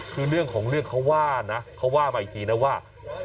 คือเรื่องของเรื่องเขาว่านะเขาว่ามาอีกทีนะว่า